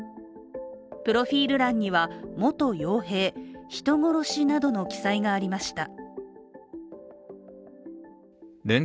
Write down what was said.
プロフィール欄には、元よう兵、人殺しなどの記載がありました。